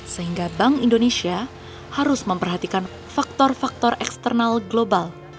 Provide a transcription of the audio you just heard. sehingga bank indonesia harus memperhatikan faktor faktor eksternal global